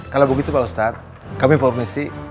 kalau begitu pak ustadz kami informasi